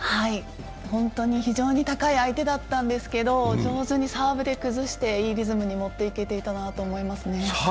本当に非常に高い相手だったんですけど上手にサーブで崩していいリズムに持っていけていたなと思いますね。